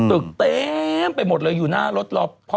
ตึกเต็มไปหมดเลยอยู่หน้ารถรอพ่อ